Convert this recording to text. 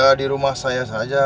ya dirumah saya saja